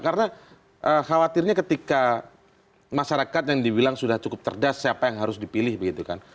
karena khawatirnya ketika masyarakat yang dibilang sudah cukup terdes siapa yang harus dipilih begitu kan